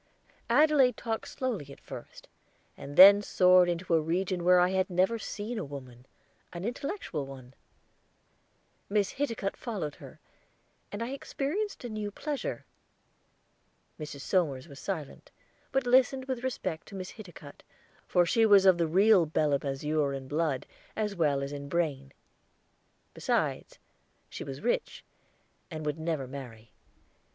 Adelaide talked slowly at first, and then soared into a region where I had never seen a woman an intellectual one. Miss Hiticutt followed her, and I experienced a new pleasure. Mrs. Somers was silent, but listened with respect to Miss Hiticutt, for she was of the real Belem azure in blood as well as in brain; besides, she was rich, and would never marry.